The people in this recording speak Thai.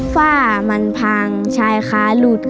ฝ้ามันพังชายค้าหลุด